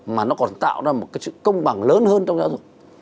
mà nó còn tạo ra một cái sự công bằng lớn hơn trong giáo dục